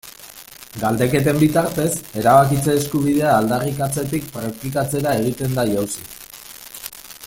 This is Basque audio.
Galdeketen bitartez, erabakitze eskubidea aldarrikatzetik praktikatzera egiten da jauzi.